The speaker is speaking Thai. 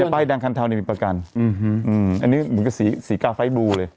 เนี้ยป้ายดังคันเทาเนี้ยมีประกันอืมอืมอันนี้เหมือนกับสีสีกาไฟล์ดูเลย